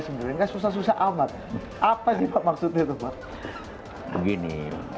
sebenarnya susah susah amat apa sih pak maksudnya itu pak begini